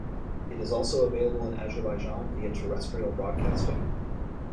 It is also available in Azerbaijan via terrestrial broadcasting.